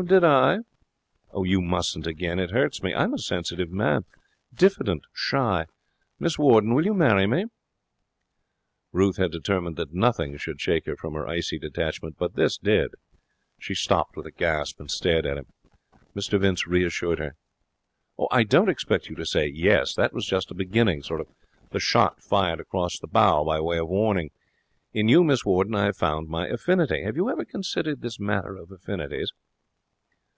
'Did I?' 'You mustn't again. It hurts me. I'm a sensitive man. Diffident. Shy. Miss Warden, will you marry me?' Ruth had determined that nothing should shake her from her icy detachment, but this did. She stopped with a gasp, and stared at him. Mr Vince reassured her. 'I don't expect you to say "Yes". That was just a beginning the shot fired across the bows by way of warning. In you, Miss Warden, I have found my affinity. Have you ever considered this matter of affinities?